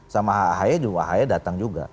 sama ahae juga ahae datang juga